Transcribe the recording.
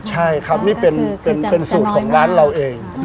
ใช่ครับนี่เป็นสูตรของร้านเราเอง